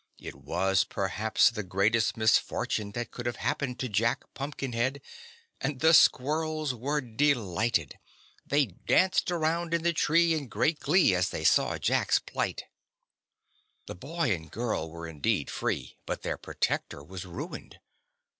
It was perhaps the greatest misfortune that could have happened to Jack Pumpkinhead, and the squirrels were delighted. They danced around in the tree in great glee as they saw Jack's plight. The boy and girl were indeed free, but their protector was ruined.